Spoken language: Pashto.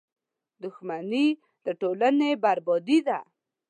• دښمني د ټولنې بربادي ده.